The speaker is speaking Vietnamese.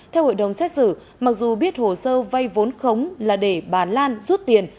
theo hội đồng xét xử mặc dù biết hồ sơ vay vốn khống là để bà lan rút tiền